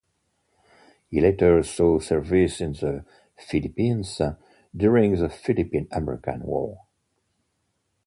He later saw service in the Philippines during the Philippine–American War.